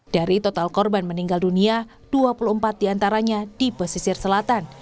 dari total korban meninggal dunia dua puluh empat diantaranya di pesisir selatan